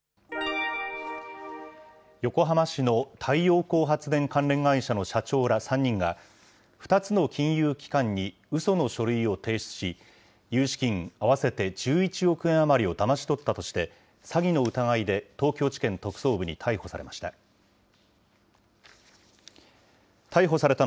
横浜市の太陽光発電関連会社の社長ら３人が、２つの金融機関にうその書類を提出し、融資金合わせて１１億円余りをだまし取ったとして、詐欺の疑いで東京地検特捜部に逮捕されました。